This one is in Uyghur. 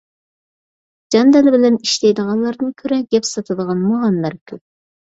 جان - دىلى بىلەن ئىشلەيدىغانلاردىن كۆرە، گەپ ساتىدىغان مۇغەمبەر كۆپ.